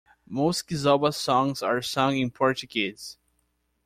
Most kizomba songs are sung in Portuguese.